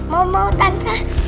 mau mau tante